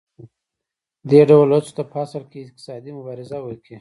دې ډول هڅو ته په اصل کې اقتصادي مبارزه ویل کېږي